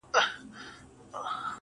خو زه: